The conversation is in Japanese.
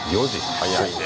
早いねえ。